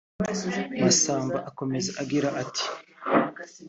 Masamba akomeza agira atai